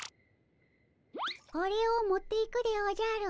これを持っていくでおじゃる。